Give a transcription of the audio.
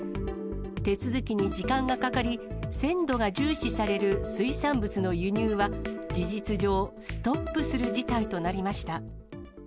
手続きに時間がかかり、鮮度が重視される水産物の輸入は事実上、ストップする事態となりました。